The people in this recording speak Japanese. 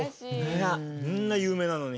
あんな有名なのに。